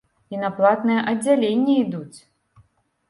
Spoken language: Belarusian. І на платнае аддзяленне ідуць!